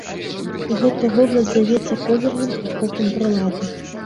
Гэта вобласць завецца колерным ахопам прылады.